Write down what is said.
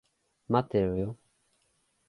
待ってろよ。